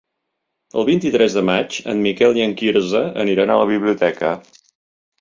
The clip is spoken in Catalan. El vint-i-tres de maig en Miquel i en Quirze aniran a la biblioteca.